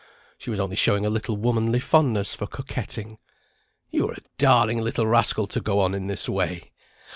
she was only showing a little womanly fondness for coquetting. "You're a darling little rascal to go on in this way!